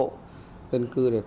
thông tin tổ chức cho biết